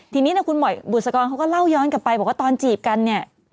ทีนี้คุณหมอบุษกรเขาก็เล่าย้อนกลับไปบอกว่าตอนจีบกันเนี่ย